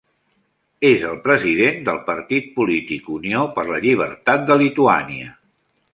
És el president del partit polític Unió per la Llibertat de Lituània.